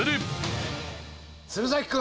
鶴崎君。